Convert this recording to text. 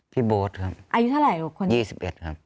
พี่โบ๊ทครับอายุเท่าไหร่ครับ๒๑ครับ๒๑